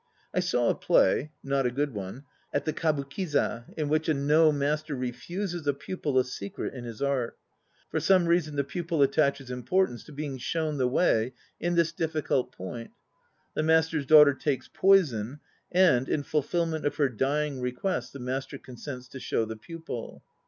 I saw a play (not a good one) at the Kabukiza in which a No master refuses a pupil a secret in his art. For some reason the pupil attaches importance to being shown the way in this difficult point. The master's daughter takes poison and, in fulfilment of her dying request, the master consents to show the pupil.